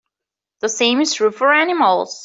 The same is true for animals.